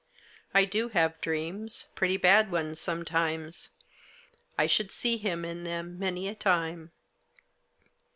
I do have dreams, pretty bad ones sometimes. I should see him in them many a time.